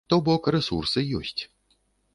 То бок, рэсурсы ёсць.